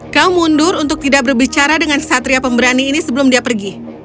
kau mundur untuk tidak berbicara dengan satria pemberani ini sebelum dia pergi